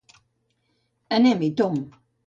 Anem-hi, Tom.